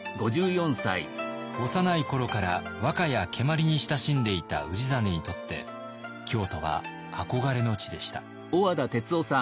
幼い頃から和歌や蹴鞠に親しんでいた氏真にとって京都は憧れの地でした。